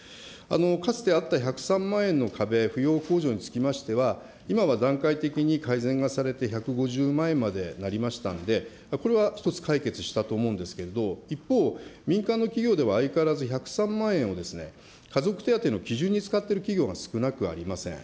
かつてあった１０３万円の壁、扶養控除につきましては、今は段階的に改善がされて１５０万円までになりましたんで、これは一つ、解決したと思うんですけれども、一方、民間の企業では相変わらず１０３万円を家族手当の基準に使っている企業が少なくありません。